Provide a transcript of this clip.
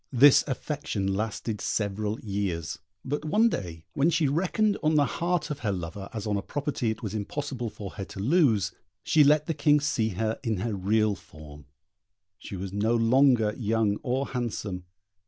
This affection lasted several years; but one day when she reckoned on the heart of her lover as on a property it was impossible for her to lose, she let the King see her in her real form: she was no longer young or handsome.